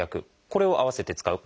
これを併せて使う。